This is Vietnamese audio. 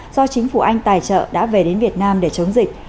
do chính phủ anh tài trợ đã về đến việt nam để chống dịch